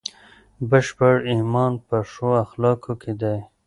بشپړ ایمان په ښو اخلاقو کې دی.